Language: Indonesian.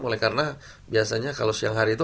oleh karena biasanya kalau siang hari itu